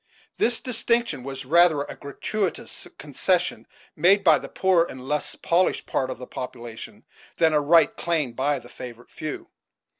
This distinction was rather a gratuitous concession made by the poorer and less polished part of the population than a right claimed by the favored few.